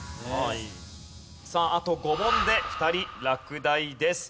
さああと５問で２人落第です。